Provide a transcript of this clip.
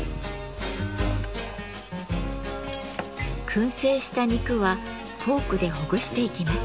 燻製した肉はフォークでほぐしていきます。